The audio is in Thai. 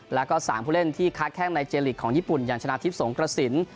แล้วก็๓ผู้เล่นที่ค้าแข้งในเจลีกของญี่ปุ่นอย่างชนะทิพย์สงกระสิน